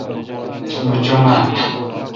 مہ چوم اؘ۔